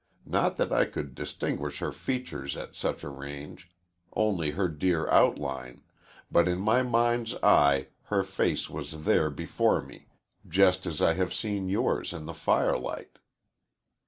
Not that I could distinguish her features at such a range, only her dear outline, but in my mind's eyes her face was there before me just as I had seen it that last time just as I have seen yours in the firelight."